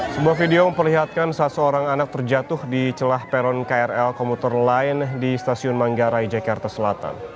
sebuah video memperlihatkan saat seorang anak terjatuh di celah peron krl komuter line di stasiun manggarai jakarta selatan